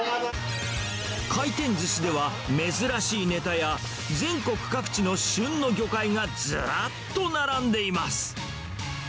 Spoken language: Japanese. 回転ずしでは珍しいネタや全国各地の旬の魚介がずらっと並んでいます。